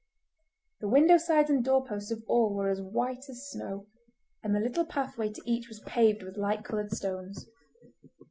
The window sides and door posts of all were as white as snow, and the little pathway to each was paved with light coloured stones.